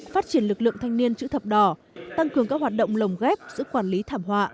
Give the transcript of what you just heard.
phát triển lực lượng thanh niên chữ thập đỏ tăng cường các hoạt động lồng ghép giữa quản lý thảm họa